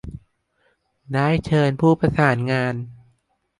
ได้เชิญผู้ประสานงาน